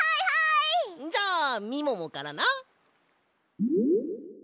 じゃあみももからな。